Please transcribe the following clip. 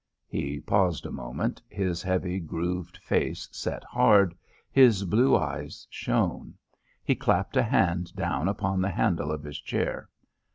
He paused a moment; his heavy, grooved face set hard; his blue eyes shone. He clapped a hand down upon the handle of his chair.